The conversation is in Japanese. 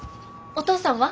お父さんは？